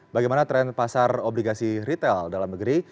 bagaimana tren pasar obligasi retail dalam negeri